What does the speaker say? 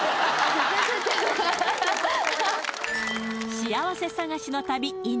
幸せ探しの旅ｉｎ